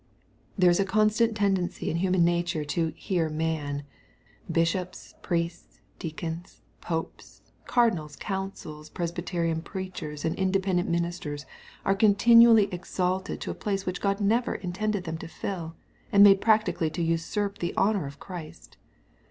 There is a constant tendency in human nature to " hear man." Bishops, priests, dea cons, popes, cardinals, councils, presbjrterian preachers, and independent ministers, are continually exalted to a place which God never intended them to fill, and made practically to usurp the honor of Christ.